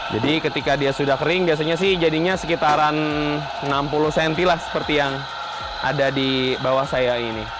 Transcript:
jadi ketika dia sudah kering biasanya sih jadinya sekitaran enam puluh cm lah seperti yang ada di bawah saya ini